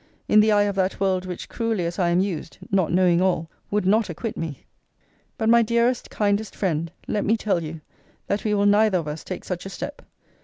in the eye of that world which, cruelly as I am used, (not knowing all,) would not acquit me? But, my dearest, kindest friend, let me tell you, that we will neither of us take such a step.